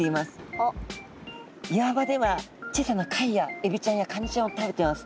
岩場では小さな貝やエビちゃんやカニちゃんを食べてます。